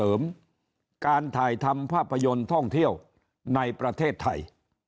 เสริมการถ่ายทำภาพยนตร์ท่องเที่ยวในประเทศไทย